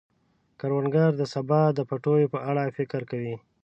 کروندګر د سبا د پټیو په اړه فکر کوي